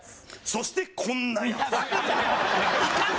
そしてこんなヤツ。